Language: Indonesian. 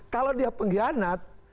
kalau dia pengkhianat